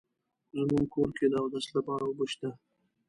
زمونږ کور کې د اودس لپاره اوبه شته